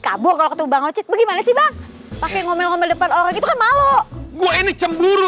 kabur waktu bang ocit bagaimana sih bang pakai ngomel ngomel depan orang itu malu gue ini cemburu